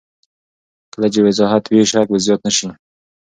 کله چې وضاحت وي، شک به زیات نه شي.